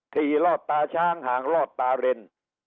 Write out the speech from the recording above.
ขี่รอดตาช้างห่างลอดตาเรน